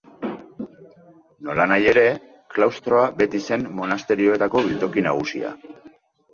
Nolanahi ere, klaustroa beti zen monasterioetako biltoki nagusia.